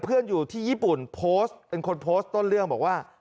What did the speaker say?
อยู่ที่ญี่ปุ่นโพสต์เป็นคนโพสต์ต้นเรื่องบอกว่า